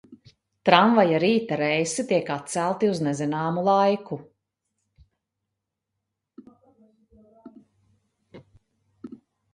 Tramvaja rīta reisi tiek atcelti uz nezināmu laiku.